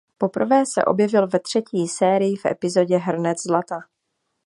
Poprvé se objevil ve třetí sérii v epizodě Hrnec zlata.